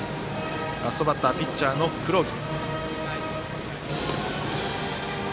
ラストバッターピッチャーの黒木。